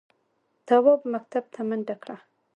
تواب مکتب ته منډه کړه.